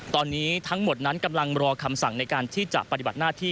ตอนนี้ทั้งหมดนั้นกำลังรอคำสั่งในการที่จะปฏิบัติหน้าที่